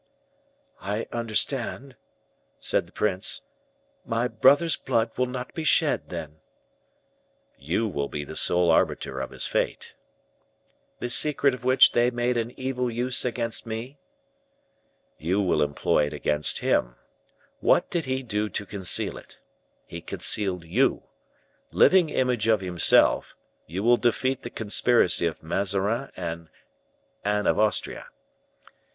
"I understand," said the prince, "my brother's blood will not be shed, then." "You will be sole arbiter of his fate." "The secret of which they made an evil use against me?" "You will employ it against him. What did he do to conceal it? He concealed you. Living image of himself, you will defeat the conspiracy of Mazarin and Anne of Austria.